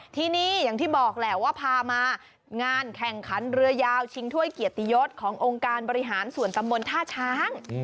ที่นี่อย่างที่บอกแหละว่าพามางานแข่งขันเรือยาวชิงถ้วยเกียรติยศขององค์การบริหารส่วนตำบลท่าช้าง